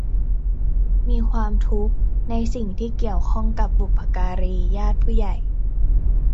มีความทุกข์ในสิ่งที่เกี่ยวข้องกับบุพการี ญาติผู้ใหญ่